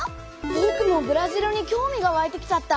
ぼくもブラジルに興味がわいてきちゃった。